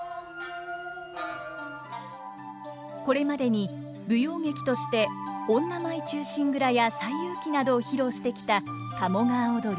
これまでに舞踊劇として「女舞忠臣蔵」や「西遊記」などを披露してきた「鴨川をどり」。